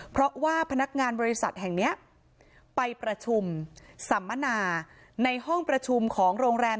เพราะว่าพนักงานบริษัทแห่งนี้ไปประชุมสัมมนาในห้องประชุมของโรงแรม